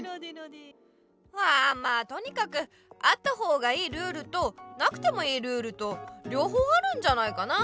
まあとにかくあった方がいいルールとなくてもいいルールとりょう方あるんじゃないかな。